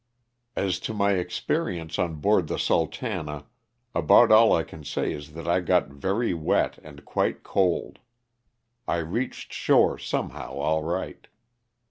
As to my experience on board the '* Sultana," about all I can say is that I got very wet and quite cold. I reached shore somehow all right.